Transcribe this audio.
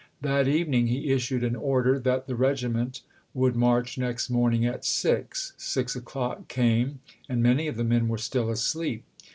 That even ing he issued an order that the regiment would march next morning at six. Six o'clock came, and many of the men were still asleep.